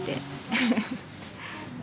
フフフ。